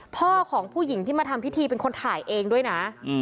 พ่อของผู้หญิงที่มาทำพิธีเป็นคนถ่ายเองด้วยนะ